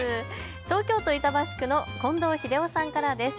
東京都板橋区の近藤英男さんからです。